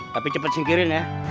tapi cepat singkirin ya